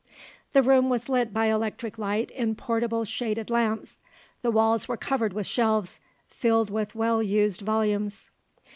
The room was lit by electric light in portable shaded lamps. The walls were covered with shelves, filled with well used volumes.